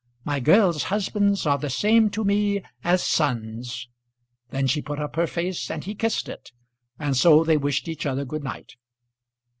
My girls' husbands are the same to me as sons." Then she put up her face and he kissed it, and so they wished each other good night.